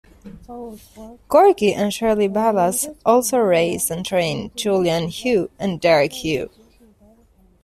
Corky and Shirley Ballas also raised and trained Julianne Hough and Derek Hough.